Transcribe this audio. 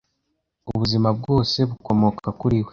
Ubuzima bwose bukomoka kuri We